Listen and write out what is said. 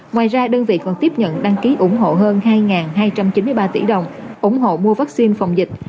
ngoài ra đơn vị còn tiếp nhận đăng ký ủng hộ hơn hai hai trăm chín mươi ba tỷ đồng ủng hộ mua vaccine phòng dịch